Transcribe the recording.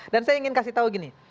dan saya ingin kasih tau gini